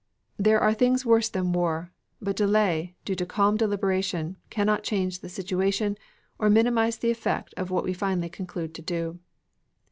There are things worse than war, but delay, due to calm deliberation, cannot change the situation or minimize the effect of what we finally conclude to do.